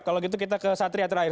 kalau gitu kita ke satria terakhir